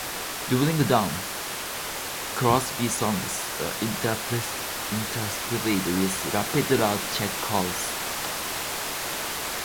During dawn, chorus B songs are interspersed with rapid loud "check" calls.